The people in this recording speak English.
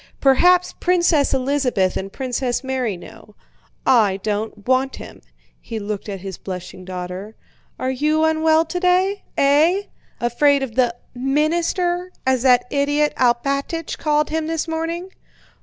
Perhaps Princess Elizabeth and Princess Mary know. I don't want him." (He looked at his blushing daughter.) "Are you unwell today? Eh? Afraid of the 'minister' as that idiot Alpátych called him this morning?"